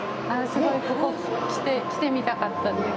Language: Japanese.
すごいここ来てみたかったんです。